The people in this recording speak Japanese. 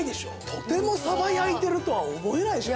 とてもサバ焼いてるとは思えないでしょ？